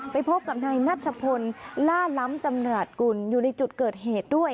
ไปพบกับนายนัชพลล่าล้ำจำหน่าตกุลอยู่ในจุดเกิดเหตุด้วย